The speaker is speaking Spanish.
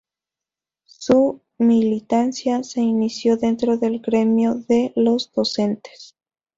Su militancia se inició dentro del gremio de los docentes.